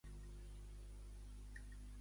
A qui ha dirigit Oriol Junqueras la piulada?